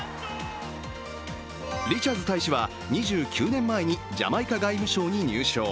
リチャーズ大使は２９年前にジャマイカ外務省に入省。